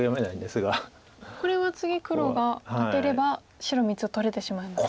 これは次黒がアテれば白３つを取れてしまいますか。